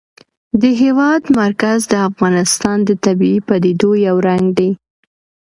د هېواد مرکز د افغانستان د طبیعي پدیدو یو رنګ دی.